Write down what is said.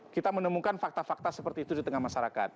kita menemukan fakta fakta seperti itu di tengah masyarakat